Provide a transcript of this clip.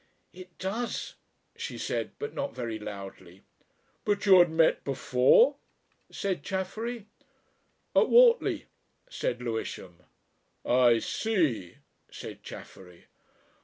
"It does," she said, but not very loudly. "But you had met before?" said Chaffery. "At Whortley," said Lewisham. "I see," said Chaffery.